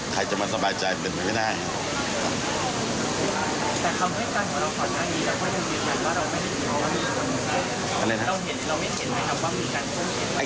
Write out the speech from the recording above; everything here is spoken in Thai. ใครจะมาสบายใจเป็นไปไม่ได้